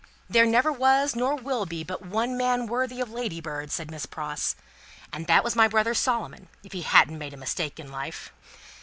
"There never was, nor will be, but one man worthy of Ladybird," said Miss Pross; "and that was my brother Solomon, if he hadn't made a mistake in life."